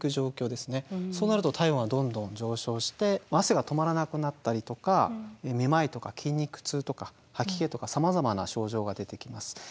そうなると体温はどんどん上昇して汗が止まらなくなったりとかめまいとか筋肉痛とか吐き気とかさまざまな症状が出てきます。